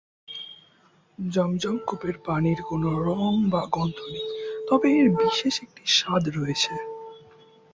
জমজম কূপের পানির কোনও রং বা গন্ধ নেই, তবে এর বিশেষ একটি স্বাদ রয়েছে।